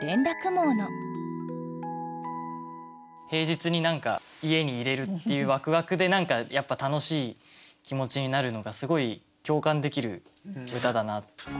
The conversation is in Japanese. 平日に家にいれるっていうワクワクで何かやっぱ楽しい気持ちになるのがすごい共感できる歌だなと。